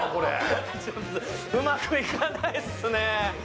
うまくいかないっすね。